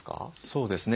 そうですね。